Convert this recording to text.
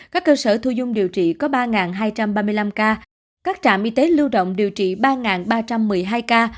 các cơ sở thu dung điều trị có ba hai trăm ba mươi năm ca các trạm y tế lưu động điều trị ba ba trăm một mươi hai ca